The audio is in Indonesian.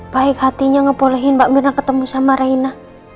baik hatinya ngepolehin mbak bena ketemu sama rena